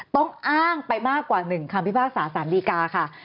ต้องอ้างไปมากกว่า๑คำพิพากษาสารดีกาค่ะ